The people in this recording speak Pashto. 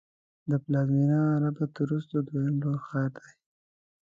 د پلازمېنې رباط وروسته دویم لوی ښار دی.